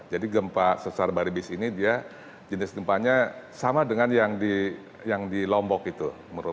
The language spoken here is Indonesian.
jadi gempa sesar baribis ini dia jenis gempanya sama dengan yang di lombok itu